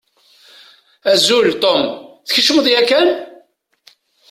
Azul, Tom, tkecmeḍ yakan?